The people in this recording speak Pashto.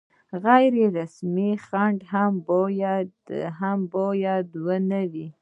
غیر رسمي خنډ هم باید نه وي.